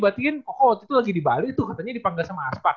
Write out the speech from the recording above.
berarti kan koko waktu itu lagi di bali tuh katanya dipanggil sama aspak